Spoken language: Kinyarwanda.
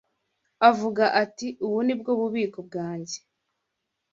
Avuga ati: 'Ubu ni bwo bubiko bwanjye